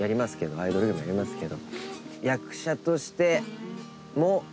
アイドル業もやりますけど。